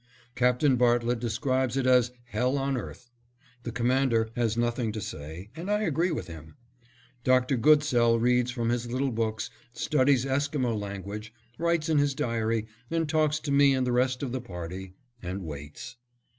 Captain Bartlett describes it as "Hell on Earth"; the Commander has nothing to say, and I agree with him. Dr. Goodsell reads from his little books, studies Esquimo language, writes in his diary and talks to me and the rest of the party, and waits.